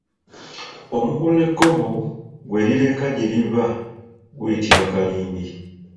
Omukululo ekkovu gwe lireka gye liva guyitibwa Kalindi.